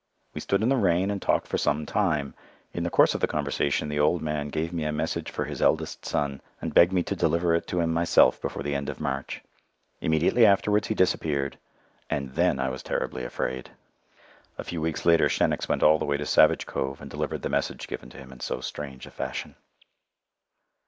We stood in the rain and talked for some time. In the course of the conversation the old man gave me a message for his eldest son, and begged me to deliver it to him myself before the end of March. Immediately afterwards he disappeared, and then I was terribly afraid." A few weeks later Shenicks went all the way to Savage Cove and delivered the message given to him in so strange a fashion.